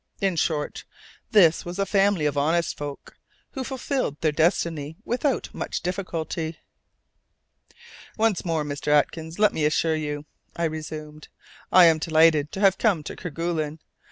In short, this was a family of honest folk who fulfilled their destiny without much difficulty. "Once more, Mr. Atkins, let me assure you," I resumed, "I am delighted to have come to Kerguelen.